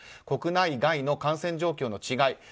国内外の感染状況の違い